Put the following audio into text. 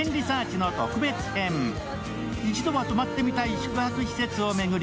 一度は泊まってみたい宿泊施設を巡り